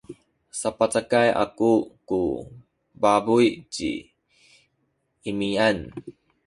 sapacakay aku ku pabuy ci Imian.